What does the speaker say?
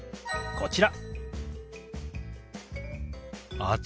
こちら。